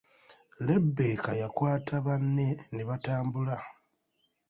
Lebbeka yakwata banne ne batambula.